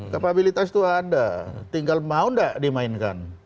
kapabilitas itu ada tinggal mau tidak dimainkan